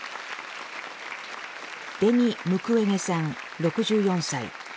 デニ・ムクウェゲさん６４歳。